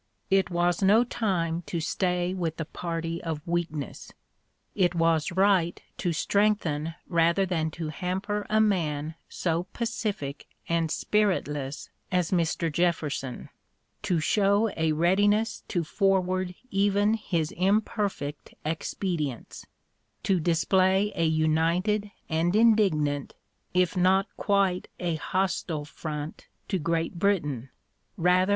It was no time to stay with the party of weakness; it was right to strengthen rather than to hamper a man so pacific and spiritless as Mr. Jefferson; to show a readiness to forward even his imperfect expedients; to display a united and indignant, if not quite a hostile front to Great Britain, rather (p.